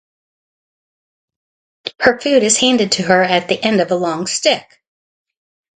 Her food is handed to her at the end of a long stick.